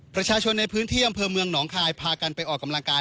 ประชาชนในพื้นที่อำเภอเมืองหนองคายพากันไปออกกำลังกาย